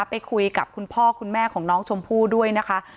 ไปคุยกับคุณพ่อคุณแม่ของน้องชมพู่ด้วยนะคะ